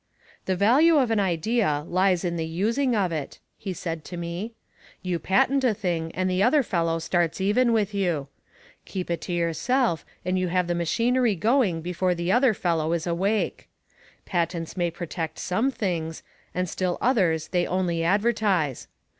"The value of an idea lies in the using of it," he said to me. "You patent a thing and the other fellow starts even with you. Keep it to yourself and you have the machinery going before the other fellow is awake. Patents may protect some things, and still others they only advertise.